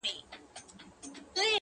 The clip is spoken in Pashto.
تا چي نن په مينه راته وكتل_